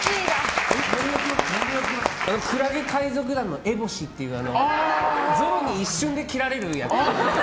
クラゲ海賊団のエボシって役でゾロに一瞬で切られる役。